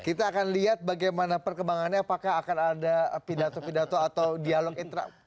kita akan lihat bagaimana perkembangannya apakah akan ada pidato pidato atau dialog